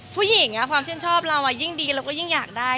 ผู้หญิงความชื่นชอบเรายิ่งดีเราก็ยิ่งอยากได้